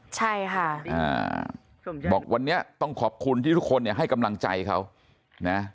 ใช่ค่ะบอกวันนี้ต้องขอบคุณที่ทุกคนเนี่ยให้กำลังใจเขานะ